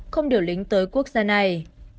không điều lính tới quốc gia này